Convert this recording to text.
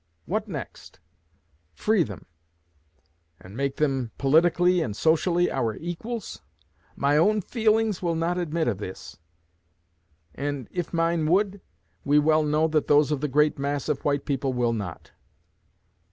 What next? Free them, and make them politically and socially our equals? My own feelings will not admit of this; and, if mine would, we well know that those of the great mass of white people will not.